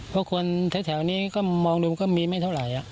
เพราะคนแถวนี้ก็มองดูมันก็มีไม่เท่าไหร่